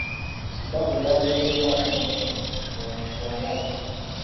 Ebbago lyateereddwako omukono, omuntu alabye!